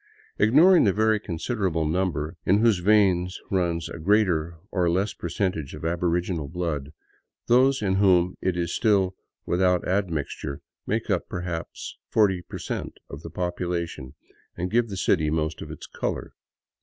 Ignoring the very considerable number in whose veins runs a greater or less percentage of aboriginal blood, those in whom it is still without admixture make up perhaps forty per cent, of the population, and give the city most of its color.